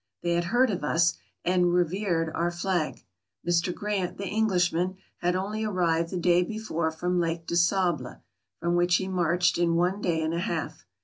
They had heard of us, and revered our flag. Mr. Grant, the Englishman, had only arrived the day before from Lake de Sable, from which he marched in one day and a half.